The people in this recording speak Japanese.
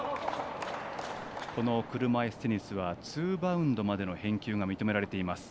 車いすテニスはツーバウンドまでの返球が認められています。